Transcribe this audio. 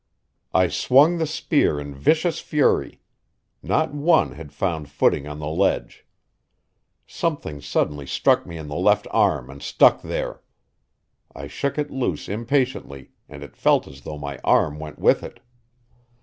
I swung the spear in vicious fury. Not one had found footing on the ledge. Something suddenly struck me in the left arm and stuck there; I shook it loose impatiently and it felt as though my arm went with it.